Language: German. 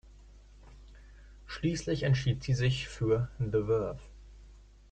Schließlich entschied sie sich für „The Verve“.